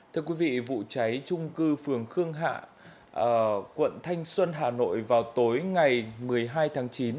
thưa quý vị vụ cháy trung cư phường khương hạ quận thanh xuân hà nội vào tối ngày một mươi hai tháng chín